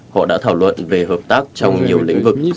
họ đã thảo luận về hợp tác trong nhiều lĩnh vực